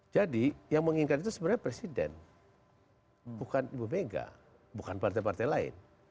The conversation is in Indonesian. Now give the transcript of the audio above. jadi yang menginginkan itu sebenarnya presiden bukan ibu mega bukan partai partai lain